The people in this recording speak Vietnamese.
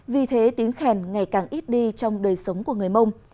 vì thế tiếng khen ngày càng ít đi trong đời sống của người mông